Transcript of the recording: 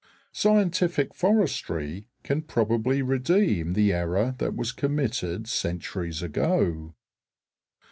Scientific forestry can probably redeem the error that was committed centuries ago.